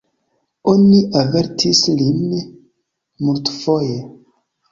Oni avertis lin multfoje!